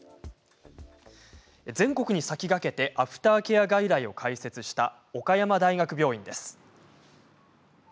全国に先駆けてアフターケア外来を開設した岡山大学病院です。